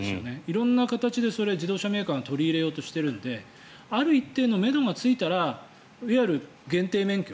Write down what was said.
色んな形で自動車メーカーが取り入れようとしているのである一定のめどがついたらいわゆる限定免許